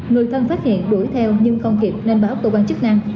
người thân phát hiện đuổi theo nhưng không kịp nên báo ốc tổ quan chức năng